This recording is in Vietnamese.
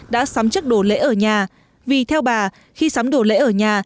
đã sắm chất đồ lễ ở nhà vì theo bà khi sắm đồ lễ ở nhà